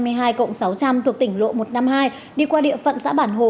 thuộc tỉnh lộ một trăm năm mươi hai đi qua địa phận xã bản hồ